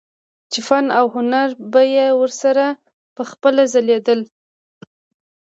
چې فن او هنر به يې ورسره پخپله ځليدلو